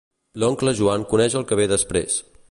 L'oncle Joan coneix el que ve després.